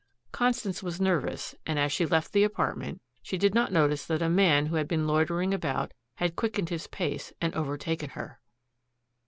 Constance was nervous and, as she left the apartment, she did not notice that a man who had been loitering about had quickened his pace and overtaken her.